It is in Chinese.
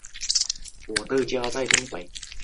的重臣鹤谷氏之居城。